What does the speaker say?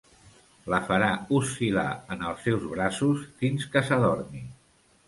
La farà oscil·lar en els seus braços fins que s'adormi.